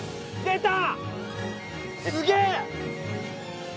出た！